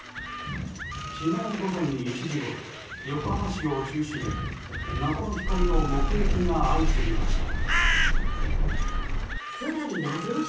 昨日午前１時ごろ横浜市を中心に謎の光の目撃が相次ぎました。